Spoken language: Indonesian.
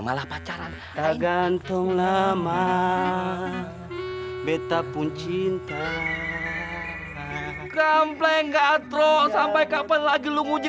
malah pacaran tak gantung lama betapun cinta kampleng gatro sampai kapan lagi lu nguji